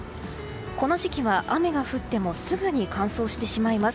この時期は、雨が降ってもすぐに乾燥してしまいます。